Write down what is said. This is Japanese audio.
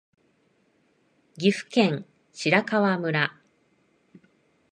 岐阜県白川村